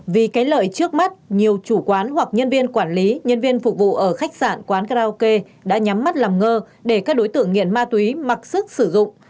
vì cái lợi trước mắt nhiều chủ quán hoặc nhân viên quản lý nhân viên phục vụ ở khách sạn quán karaoke đã nhắm mắt làm ngơ để các đối tượng nghiện ma túy mặc sức sử dụng